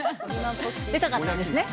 出たかったんですね。